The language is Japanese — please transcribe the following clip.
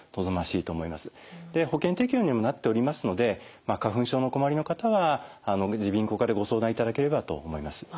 保険適用にもなっておりますので花粉症にお困りの方は耳鼻咽喉科でご相談いただければと思います。